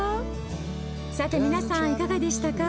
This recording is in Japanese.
さて皆さんいかがでしたか？